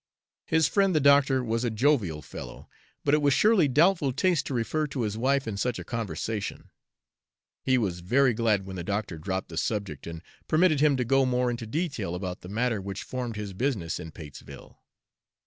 His friend the doctor was a jovial fellow, but it was surely doubtful taste to refer to his wife in such a conversation. He was very glad when the doctor dropped the subject and permitted him to go more into detail about the matter which formed his business in Patesville.